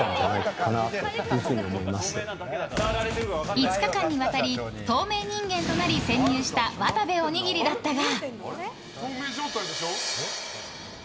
５日間にわたり透明人間となり潜入した渡部おにぎりだったが。